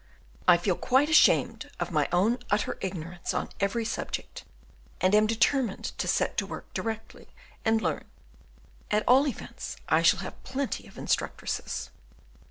I feel quite ashamed of my own utter ignorance on every subject, and am determined to set to work directly and learn: at all events I shall have plenty of instructresses.